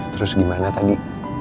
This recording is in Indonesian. terus gimana tadi